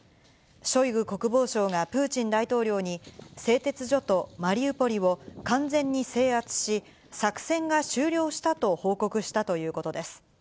ショイグ国防相がプーチン大統領に、製鉄所とマリウポリを完全に制圧し、作戦が終了したと報告したということです。